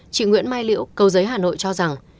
chị nguyễn mai liễu cầu giới hà nội cho rằng